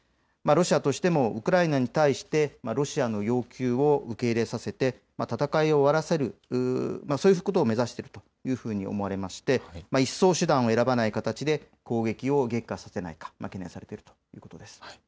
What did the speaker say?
ロシアとしてもウクライナに対してロシアの要求を受け入れさせて戦いを終わらせる、そういうことを目指しているというふうに思われまして、一層手段を選ばない形で攻撃を激化させないか懸念されているということです。